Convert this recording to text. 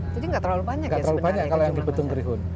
banyak ya sebenarnya nggak terlalu banyak kalau yang di betung kerihun